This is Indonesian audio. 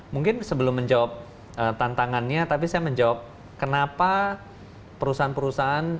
mungkin sebelum menjawab tantangannya tapi saya menjawab kenapa perusahaan perusahaan